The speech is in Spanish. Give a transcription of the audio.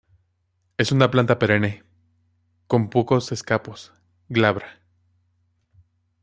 Es una planta perenne, con pocos escapos, glabra.